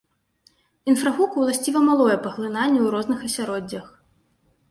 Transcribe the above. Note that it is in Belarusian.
Інфрагуку ўласціва малое паглынанне ў розных асяроддзях.